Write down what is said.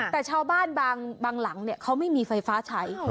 แต่ชาวบ้านบางหลังเขาไม่มีไฟฟ้าใช้